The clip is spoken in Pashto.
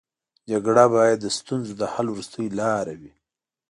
جګړه باید د ستونزو د حل وروستۍ لاره وي